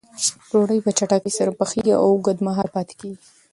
ډوډۍ په چټکۍ سره پخیږي او اوږد مهاله پاتې کېږي.